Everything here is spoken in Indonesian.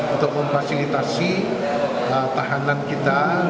untuk memfasilitasi tahanan kita